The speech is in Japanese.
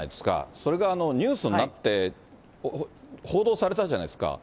それがニュースになって、報道されたじゃないですか。